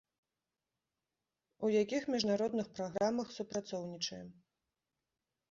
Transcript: У якіх міжнародных праграмах супрацоўнічаем.